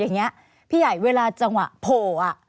อย่างนี้พี่ใหญ่เวลาจังหวะโผล่อ่ะ